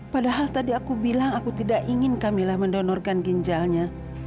padahal tadi aku bilang aku tidak ingin kamilah mendonorkan ginjalnya